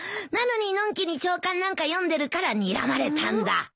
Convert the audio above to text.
なのにのんきに朝刊なんか読んでるからにらまれたんだ。